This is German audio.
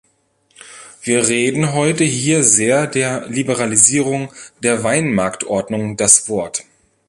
Wir reden heute hier sehr der Liberalisierung der Weinmarktordnung das Wort.